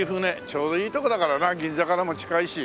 ちょうどいい所だからな銀座からも近いし。